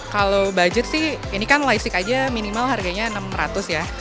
kalau budget sih ini kan light aja minimal harganya rp enam ratus ya